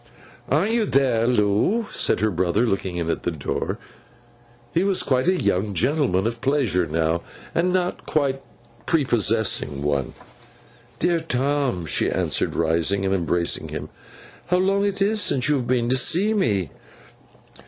'Are you there, Loo?' said her brother, looking in at the door. He was quite a young gentleman of pleasure now, and not quite a prepossessing one. 'Dear Tom,' she answered, rising and embracing him, 'how long it is since you have been to see me!